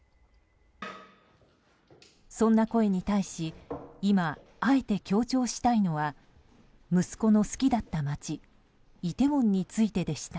そんな声に対し今あえて強調したいのは息子の好きだった街イテウォンについてでした。